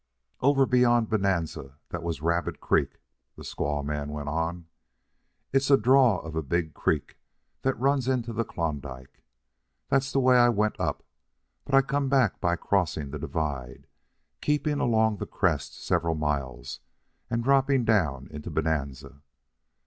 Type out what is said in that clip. "Over beyond Bonanza that was Rabbit Creek," the squaw man went on. "It's a draw of a big creek that runs into the Klondike. That's the way I went up, but I come back by crossing the divide, keeping along the crest several miles, and dropping down into Bonanza.